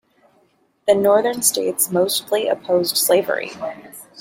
The northern states mostly opposed slavery.